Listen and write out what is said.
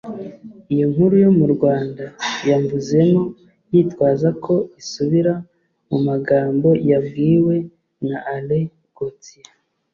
iyo nkuru yo mu rwanda yamvuzemo yitwaza ko isubira mu magambo yabwiwe na alain gauthier